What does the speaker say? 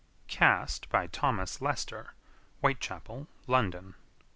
Cast by Thomas Lester, Whitechapel, London.